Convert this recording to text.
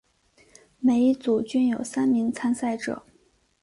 每一组均有三名参赛者。